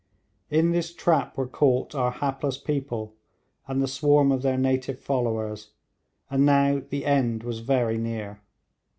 In this trap were caught our hapless people and the swarm of their native followers, and now the end was very near.